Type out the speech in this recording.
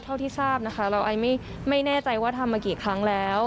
เท่าที่ทราบนะคะเราไอไม่แน่ใจว่าทำมากี่ครั้งแล้ว